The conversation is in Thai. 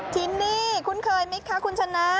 ทินนี่คุณเคยมิกคะคุณชนะ